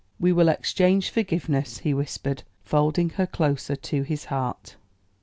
"We will exchange forgiveness," he whispered, folding her closer to his heart.